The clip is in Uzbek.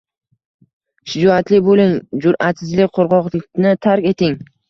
Shijoatli bo‘ling, jur’atsizlik, qo‘rqoqlikni tark eting.